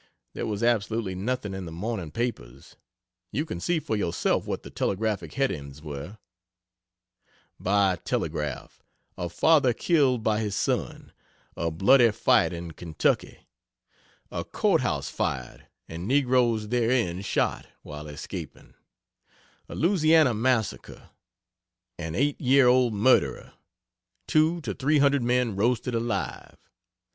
There was absolutely nothing in the morning papers. You can see for yourself what the telegraphic headings were: BY TELEGRAPH A Father Killed by His Son A Bloody Fight in Kentucky A Court House Fired, and Negroes Therein Shot while Escaping A Louisiana Massacre An Eight year old murderer Two to Three Hundred Men Roasted Alive!